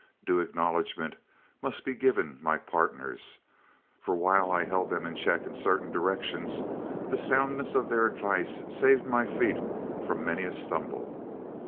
Due acknowledgment must be given my partners, for while I held them in check in certain directions, the soundness of their advice saved my feet from many a stumble.